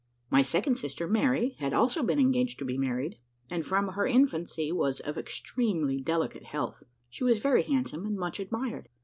My second sister, Mary, had also been engaged to be married, and from her infancy was of extremely delicate health. She was very handsome, and much admired.